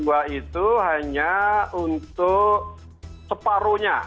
misalnya untuk separuhnya